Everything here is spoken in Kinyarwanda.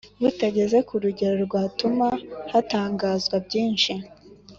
butageze ku rugero rwatuma hatangazwa byinshi